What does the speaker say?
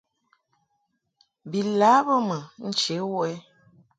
Bi lâ bə mɨ nche wuʼ ɛ ?